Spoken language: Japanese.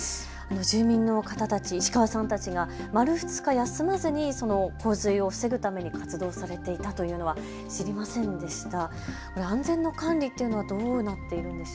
住民の方たち、石川さんたちが丸２日、休まずに洪水を防ぐための活動されていたというのは知りませんでした。